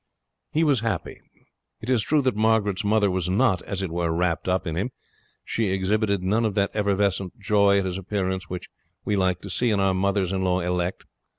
He was happy. It is true that Margaret's mother was not, as it were, wrapped up in him. She exhibited none of that effervescent joy at his appearance which we like to see in our mothers in law elect.